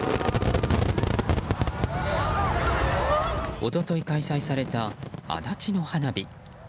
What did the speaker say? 一昨日、開催された足立の花火。